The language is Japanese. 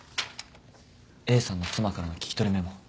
Ａさんの妻からの聞き取りメモ。